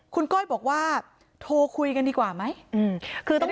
คุณก้อยบอกว่าโทรคุยกันดีกว่าไหม